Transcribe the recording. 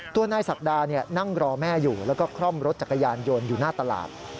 ตัวนายศักดานั่งรอแม่อยู่แล้วก็คล่อมรถจักรยานยนต์อยู่หน้าตลาด